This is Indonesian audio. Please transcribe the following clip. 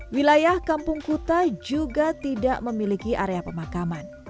wilayah kampung kuta juga tidak memiliki area pemakaman